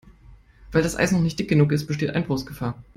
Weil das Eis noch nicht dick genug ist, besteht Einbruchsgefahr.